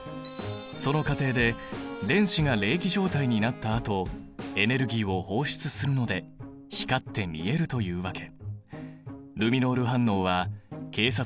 その過程で電子が励起状態になったあとエネルギーを放出するので光って見えるというわけ。